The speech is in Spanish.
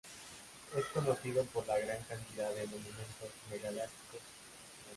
Es conocido por la gran cantidad de monumentos megalíticos que se han encontrado aquí.